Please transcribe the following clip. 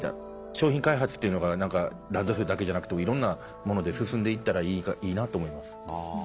商品開発というのがランドセルだけじゃなくていろんなもので進んでいったらいいなと思います。